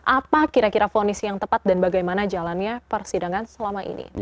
apa kira kira fonis yang tepat dan bagaimana jalannya persidangan selama ini